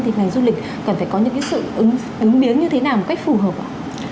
thì ngành du lịch cần phải có những cái sự đúng biến như thế nào một cách phù hợp ạ